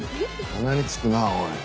鼻につくなおい。